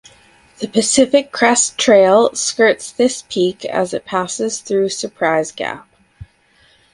The Pacific Crest Trail skirts this peak as it passes through Surprise Gap.